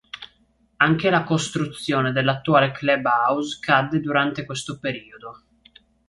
Anche la costruzione dell'attuale "club house" cadde durante questo periodo.